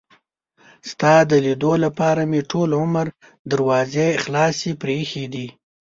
ستا د لیدلو لپاره مې ټول عمر دروازې خلاصې پرې ایښي دي.